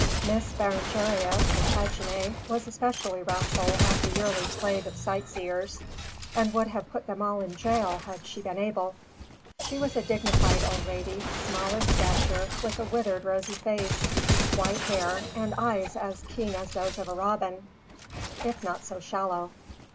Miss Berengaria Plantagenet was especially wrathful at the yearly plague of sightseers, and would have put them all in jail had she been able. She was a dignified old lady, small in stature, with a withered rosy face, white hair, and eyes as keen as those of a robin, if not so shallow.